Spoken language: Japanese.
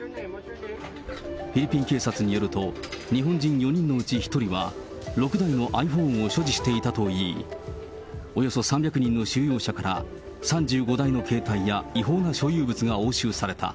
フィリピン警察によると、日本人４人のうち１人は、６台のｉＰｈｏｎｅを所持していたといい、およそ３００人の収容者から、３５台の携帯や、違法な所有物が押収された。